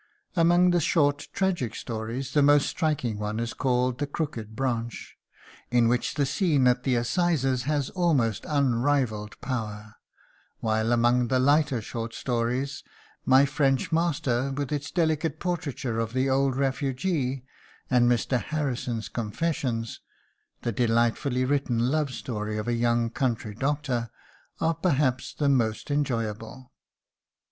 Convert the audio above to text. Among the short tragic stories, the most striking is one called "The Crooked Branch," in which the scene at the assizes has almost unrivalled power; while among the lighter short stories, "My French Master," with its delicate portraiture of the old refugee, and "Mr. Harrison's Confessions," the delightfully written love story of a young country doctor, are perhaps the most enjoyable.